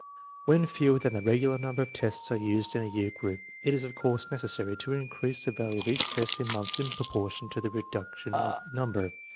When fewer than the regular number of tests are used in a year group it is of course necessary to increase the value of each test in months in proportion to the reduction of number.